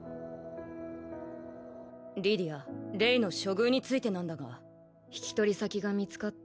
リディアレイの処遇についてなんだが引き取り先が見つかった？